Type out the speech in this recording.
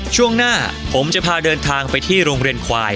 ช่วงหน้าผมจะพาเดินทางไปที่โรงเรียนควาย